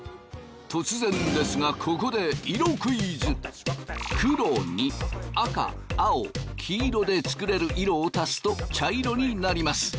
突然ですがここで黒に赤・青・黄色で作れる色を足すと茶色になります。